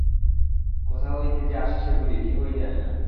কোথা হইতে যে আসে সেগুলি, কেহই জানে না।